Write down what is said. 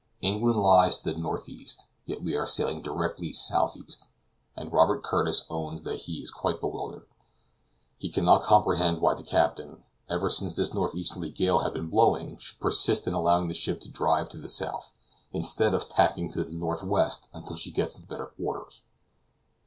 England lies to the northeast, yet we are sailing directly southeast, and Robert Curtis owns that he is quite bewildered; he cannot comprehend why the captain, ever since this northeasterly gale has been blowing, should persist in allowing the ship to drive to the south, instead of tacking to the northwest until she gets into better quarters.